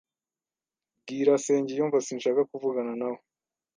Bwira Sengiyumva sinshaka kuvugana nawe.